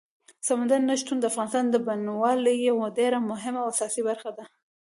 سمندر نه شتون د افغانستان د بڼوالۍ یوه ډېره مهمه او اساسي برخه ده.